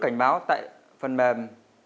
cảnh báo tại phần mềm